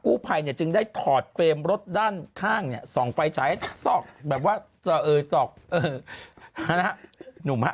กู้ภัยเนี่ยจึงได้ถอดเฟรมรถด้านข้างเนี่ยส่องไฟฉายซอกแบบว่าซอกหนุ่มฮะ